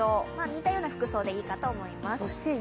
似たような服装でいいかと思います。